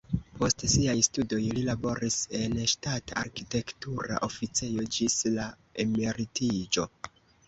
Post siaj studoj li laboris en ŝtata arkitektura oficejo ĝis la emeritiĝo.